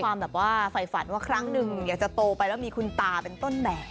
แบบว่าไฟฝันว่าครั้งหนึ่งอยากจะโตไปแล้วมีคุณตาเป็นต้นแบบ